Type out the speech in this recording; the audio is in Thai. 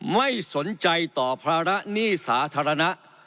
ไม่สนใจต่อภาระหนี้สาธารณะ